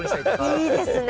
いいですね。